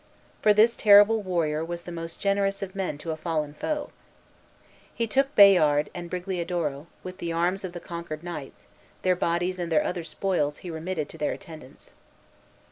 For this terrible warrior was the most generous of men to a fallen foe. He took Bayard and Brigliadoro, with the arms of the conquered knights; their bodies and their other spoils he remitted to their attendants.